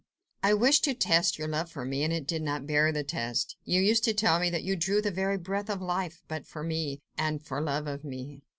"I wished to test your love for me, and it did not bear the test. You used to tell me that you drew the very breath of life but for me, and for love of me."